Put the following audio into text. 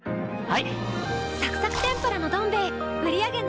はい。